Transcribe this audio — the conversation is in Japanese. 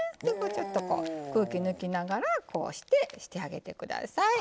ちょっとこう空気抜きながらこうしてしてあげて下さい。